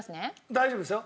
大丈夫ですよ。